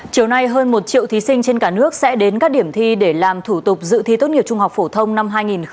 chiều nay hơn một triệu thí sinh trên cả nước sẽ đến các điểm thi để làm thủ tục dự thi tốt nghiệp trung học phổ thông năm hai nghìn hai mươi